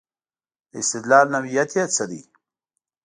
د استدلال نوعیت یې څه دی.